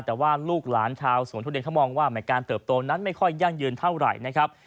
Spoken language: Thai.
แต่ว่าลูกหลานชาวสวนทุเรียนเขามองว่าการเติบโตนั้นไม่ค่อยยั่งยืนเท่าไหร่นะครับ